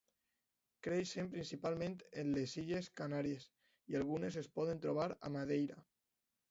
Creixen principalment en les Illes Canàries i algunes es poden trobar a Madeira.